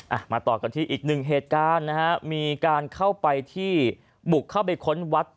มาต่อกันที่อีกหนึ่งเหตุการณ์นะฮะมีการเข้าไปที่บุกเข้าไปค้นวัด